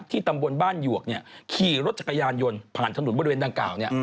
ที่ตำบลบ้านหยวกเนี่ยขี่รถจักรยานยนต์ผ่านถนนบริเวณดังกล่าวเนี่ย